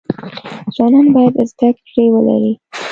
ځوانان باید زده کړی ولری